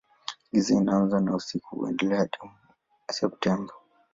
Giza inaanza na usiku huendelea hadi Septemba.